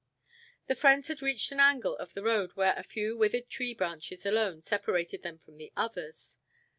The friends had reached an angle of the road where a few withered tree branches alone separated them from the others.